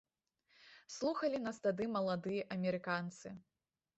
Слухалі нас тады маладыя амерыканцы.